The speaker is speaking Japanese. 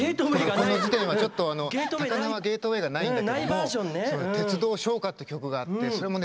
この時点は、ちょっと高輪ゲートウェイがないんだけど「鉄道唱歌」っていう曲があってそれもね